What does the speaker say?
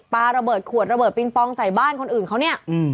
ปลาระเบิดขวดระเบิดปิงปองใส่บ้านคนอื่นเขาเนี่ย